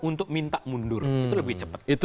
untuk minta mundur itu lebih cepat